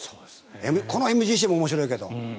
このＭＧＣも面白いけど。